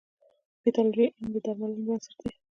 د پیتالوژي علم د درملنې بنسټ دی.